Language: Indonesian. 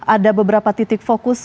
ada beberapa titik fokus